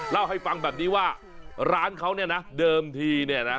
เล่าให้ฟังแบบนี้ว่าร้านเขาเนี่ยนะเดิมทีเนี่ยนะ